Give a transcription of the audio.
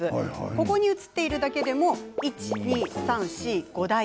ここに映っているだけでも１、２、３、４、５台。